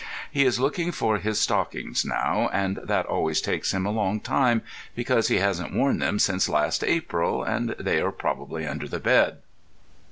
He is looking for his stockings now, and that always takes him a long time, because he hasn't worn them since last April, and they are probably under the bed.